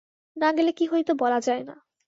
না গেলে কী হইত বলা যায় না।